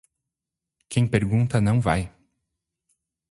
Quem pergunta não vai.